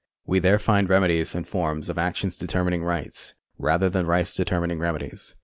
We there lind remedies and forms of action determining rights, rather than rights determining remedies.